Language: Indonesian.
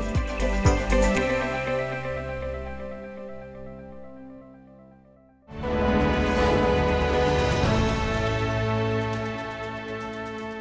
terhadap masyarakat yang berhasil menangani permasalahan yang ada